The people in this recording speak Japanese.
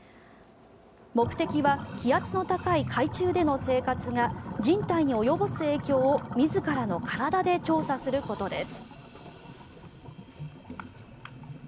目的は気圧の高い海中での生活が人体に及ぼす影響を自らの体で調査することです。